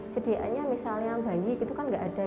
sediaannya misalnya bayi itu kan nggak ada